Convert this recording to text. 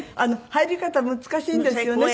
入り方難しいんですよね。